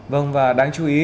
vâng và đáng chú ý